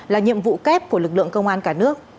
là nhiệm vụ kép của lực lượng công an cả nước